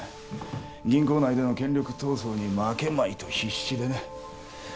銀行内での権力闘争に負けまいと必死でね